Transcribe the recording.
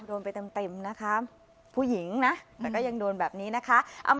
โดนไปเต็มนะคะผู้หญิงนะแต่ก็ยังโดนแบบนี้นะคะ